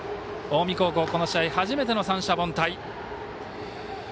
近江高校、この試合初めての三者凡退。